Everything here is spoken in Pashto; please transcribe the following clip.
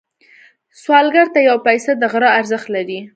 سوالګر ته یو پيسه د غره ارزښت لري